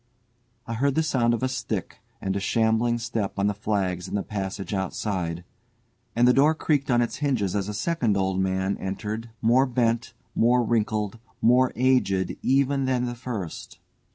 I heard the sound of a stick and a shambling step on the flags in the passage outside, and the door creaked on its hinges as a second old man entered, more bent, more wrinkled, more aged even than the first.